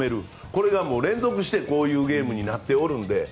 これが連続してこういうゲームになっているので。